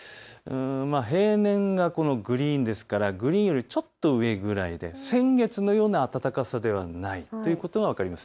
平年がグリーンですからグリーンよりちょっと上ぐらいで先月のような暖かさではないということが分かります。